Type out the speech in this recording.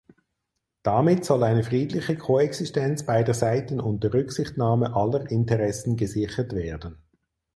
Damit soll eine friedliche Koexistenz beider Seiten unter Rücksichtnahme aller Interessen gesichert werden.